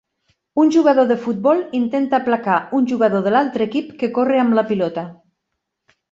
Un jugador de futbol intenta placar un jugador de l'altre equip que corre amb la pilota